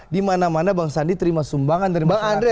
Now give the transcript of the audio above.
di mana mana bang sandi terima sumbangan dari bang andre